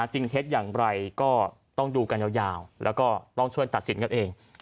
เท็จอย่างไรก็ต้องดูกันยาวแล้วก็ต้องช่วยตัดสินกันเอง